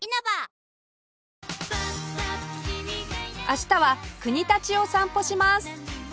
明日は国立を散歩します